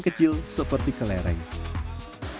oleh karena saya terkenal kacang kan